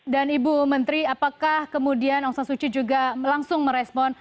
dan ibu menteri apakah kemudian aung san suu kyi juga langsung merespon